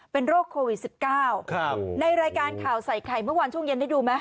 เป็นโรคโควิด๑๙ในรายการข่าวใส่ไข่เมื่อวานช่วงเย็นได้ดูไหม